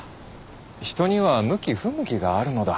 人には向き不向きがあるのだ。